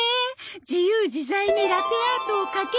自由自在にラテアートを描ける主婦。